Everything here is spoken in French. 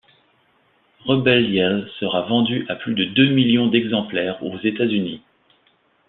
Rebel Yell sera vendu à plus de deux millions d'exemplaires aux États-Unis.